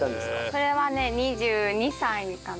それはね２２歳かな。